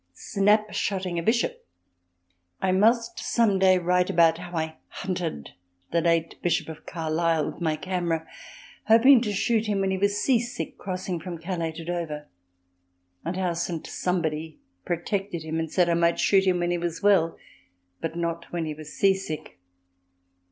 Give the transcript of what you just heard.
Snapshotting a Bishop I must some day write about how I hunted the late Bishop of Carlisle with my camera, hoping to shoot him when he was sea sick crossing from Calais to Dover, and how St. Somebody protected him and said I might shoot him when he was well, but not when he was sea sick.